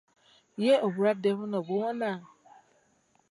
Ye obulwadde buno buwona?